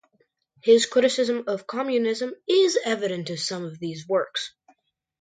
His criticism of communism is evident in some of these works.